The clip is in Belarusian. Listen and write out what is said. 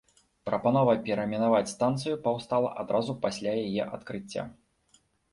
Прапанова перайменаваць станцыю паўстала адразу пасля яе адкрыцця.